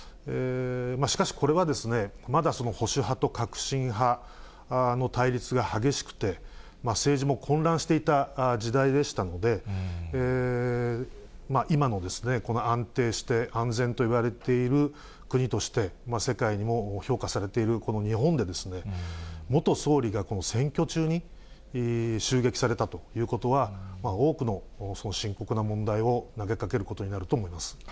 しかし、これは、まだ保守派と革新派の対立が激しくて、政治も混乱していた時代でしたので、今のこの安定して、安全といわれている国として、世界にも評価されているこの日本で、元総理が選挙中に襲撃されたということは、多くの深刻な問題を投げかけることになると思います。